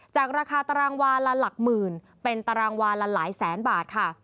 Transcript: ราคาตารางวาละหลักหมื่นเป็นตารางวาละหลายแสนบาทค่ะ